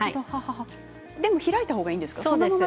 でも開いたほうがいいですか？